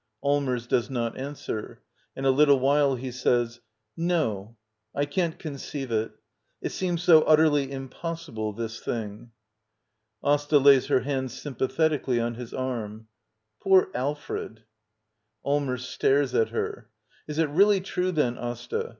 Allmers. [Does not answer. In a little while he says] No, I can't conceive it. It seems so ut terly impossible — this thing. AsTA. [Lajrs her hand sympathetically on his arm.] Poor Alfred I Allmers. [Stares at her.] Is it really true then, Asta?